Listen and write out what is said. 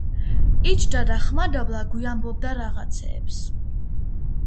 იჯდა და ხმადაბლა გვიამბობდა რაღაცეებს